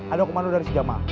ada komando dari si jamaah